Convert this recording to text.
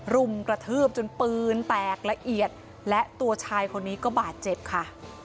รุมกระทืบจนปืนแตกละเอียดและตัวชายคนนี้ก็บาดเจ็บค่ะ